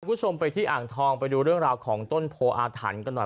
คุณผู้ชมไปที่อ่างทองไปดูเรื่องราวของต้นโพออาถรรพ์กันหน่อย